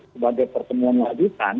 sebagai pertemuan wajib kan